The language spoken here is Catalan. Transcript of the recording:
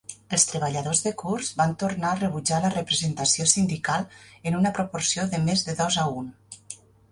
Els treballadors de Coors van tornar a rebutjar la representació sindical en una proporció de més de dos a un.